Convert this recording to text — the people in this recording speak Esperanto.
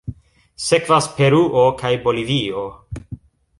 Sekvas Peruo kaj Bolivio.